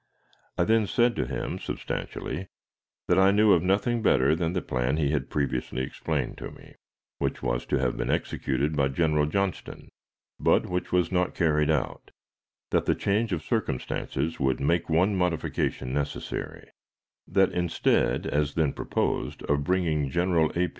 I then said to him, substantially, that I knew of nothing better than the plan he had previously explained to me, which was to have been executed by General Johnston, but which was not carried out; that the change of circumstances would make one modification necessary that, instead, as then proposed, of bringing General A.